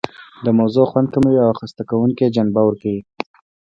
د موضوع خوند کموي او خسته کوونکې جنبه ورکوي.